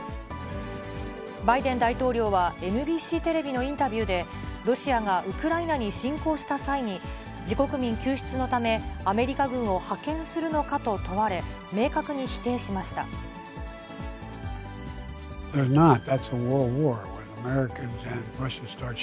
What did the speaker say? バイデン大統領はＮＢＣテレビのインタビューで、ロシアがウクライナに侵攻した際に、自国民救出のため、アメリカ軍を派遣するのかと問われ、明確に否定しました。